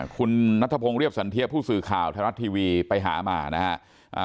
คุณนัทพงศ์เรียบสันเทียผู้สื่อข่าวไทยรัฐทีวีไปหามานะครับ